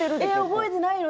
「覚えてないの？